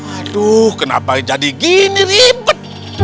aduh kenapa jadi gini ribet